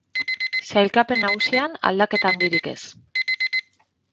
Sailkapen nagusian, aldaketa handirik ez.